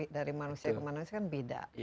dari manusia ke manusia kan beda